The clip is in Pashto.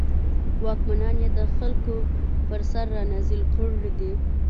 واکمنان یې د خلکو پر سر رانازل کړي دي.